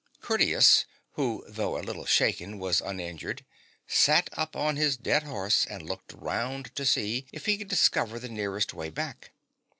Curtius, who, though a little shaken, was uninjured, sat up on his dead horse and looked round to see if he could discover the nearest way back.